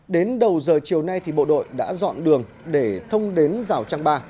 đến đầu giờ chiều nay bộ đội đã dọn đường để thông đến giao trang ba